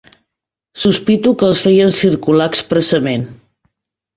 Sospito que els feien circular expressament